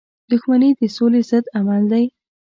• دښمني د سولی ضد عمل دی.